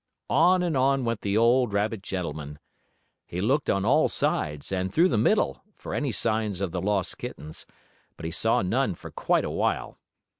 On and on went the old rabbit gentleman. He looked on all sides and through the middle for any signs of the lost kittens, but he saw none for quite a while.